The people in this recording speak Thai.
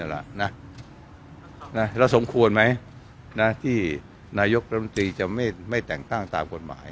แล้วสมควรไหมที่นายกรัฐมนตรีจะไม่แต่งตั้งตามกฎหมาย